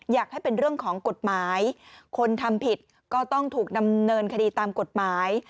อยากให้เป็นเรื่องของกฎหมายคนทำผิดก็ต้องถูกดำเนินคดีตามกฎหมาย